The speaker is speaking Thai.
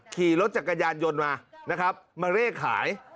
ขี่รถจากกระยานยนต์มามาเลขขาย